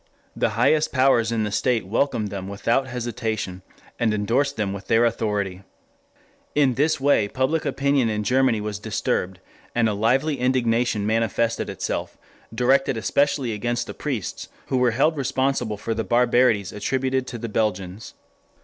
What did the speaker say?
The highest powers in the state welcomed them without hesitation and endorsed them with their authority... "In this way public opinion in Germany was disturbed and a lively indignation manifested itself, directed especially against the priests who were held responsible for the barbarities attributed to the Belgians...